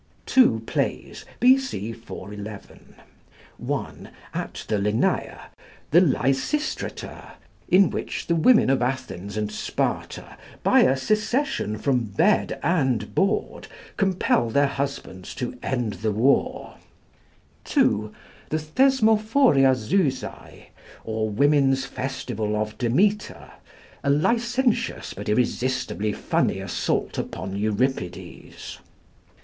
Two plays, B.C. 411: (1) at the Lenæa, 'The Lysistrata,' in which the women of Athens and Sparta by a secession from bed and board compel their husbands to end the war; (2) The 'Thesmophoriazusæ' or Women's Festival of Demeter, a licentious but irresistibly funny assault upon Euripides.